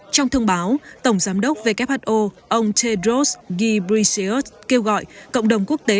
trong thông báo tổng giám đốc who ông tedros gibios kêu gọi cộng đồng quốc tế